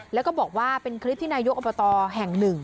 แล้วก็บอกว่าเป็นคลิปที่นายกอบตแห่งหนึ่ง